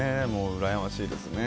うらやましいですね。